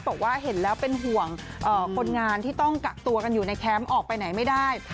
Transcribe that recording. บอกว่าเห็นแล้วเป็นห่วงคนงานที่ต้องกักตัวกันอยู่ในแคมป์ออกไปไหนไม่ได้